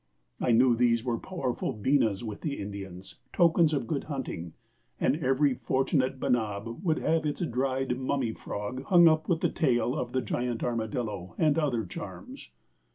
I knew these were powerful beenas with the Indians, tokens of good hunting, and every fortunate benab would have its dried mummy frog hung up with the tail of the giant armadillo and other charms.